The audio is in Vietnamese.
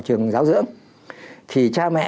trường giáo dưỡng thì cha mẹ